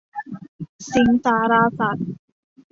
สิงห์สาราสัตว์